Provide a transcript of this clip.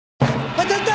当たった！